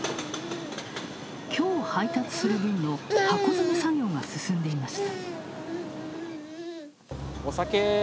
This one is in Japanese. きょう配達する分の箱詰め作業が進んでいました。